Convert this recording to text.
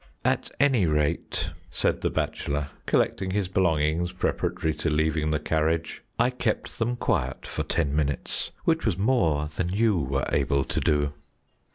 "At any rate," said the bachelor, collecting his belongings preparatory to leaving the carriage, "I kept them quiet for ten minutes, which was more than you were able to do."